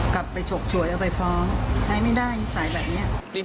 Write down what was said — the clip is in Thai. กลับไปฉกฉวยเอาไปพร้อมใช้ไม่ได้สายแบบเนี่ย